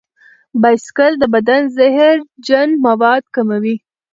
بایسکل د بدن زهرجن مواد کموي.